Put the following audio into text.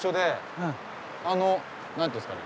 あの何て言うんですかね。